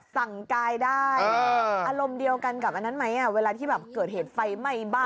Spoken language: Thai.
สั่งกายได้อารมณ์เดียวกันกับอันนั้นไหมเวลาที่แบบเกิดเหตุไฟไหม้บ้าน